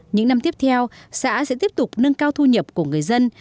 những năm tiếp theo xã sẽ tiếp tục nâng cao thu nhập của người dân